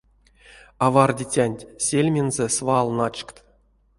Авардицянть сельмензэ свал начкт.